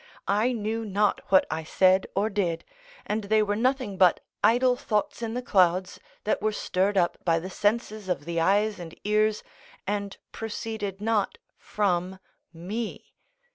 I knew not what I said or did, and they were nothing but idle thoughts in the clouds, that were stirred up by the senses of the eyes and ears, and proceeded not from me.